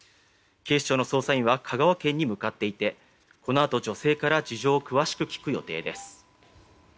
警視庁の捜査員は香川県に向かっていてこのあと女性から事情を詳しく聴く予定です。